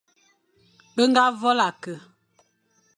Be ñga vôl-e-ke,